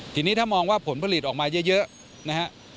ทีนี้ถ้ามองว่าผลผลิตออกมาเยอะนะฮะ